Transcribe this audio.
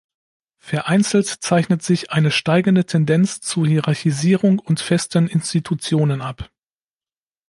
Vereinzelt zeichnet sich eine steigende Tendenz zu Hierarchisierung und festen Institutionen ab.